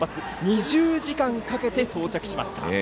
２０時間かけて、到着しました。